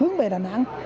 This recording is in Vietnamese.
hướng về đà nẵng